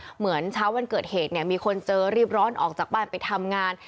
เหมือนเช้าวันเกิดเหตุเนี่ยมีคนเจอรีบร้อนออกจากบ้านไปทำงาน